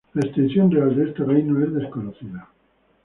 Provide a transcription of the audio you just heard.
La extensión real de este reino es desconocida.